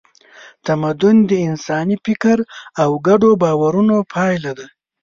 تمدن د انساني فکر او ګډو باورونو پایله ده.